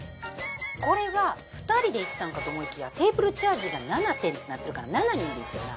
これは２人で行ったんかと思いきやテーブルチャージが７点になってるから７人で行ってるな。